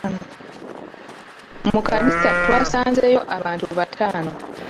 Mu kkanisa twasanzeeyo abantu bataano.